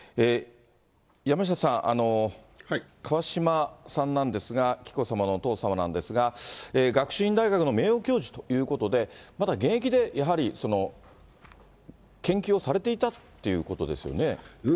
山下さん、川嶋さんなんですが、紀子さまのお父様なんですが、学習院大学の名誉教授ということで、まだ現役でやはり研究をされていたっていうことですよね。